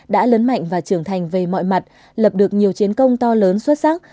đã lớn mạnh và trưởng thành về mọi mặt lập được nhiều chiến công to lớn xuất sắc